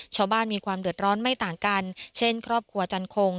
ชาวบ้านมีความเดือดร้อนไม่ต่างกันเช่นครอบครัวจันคง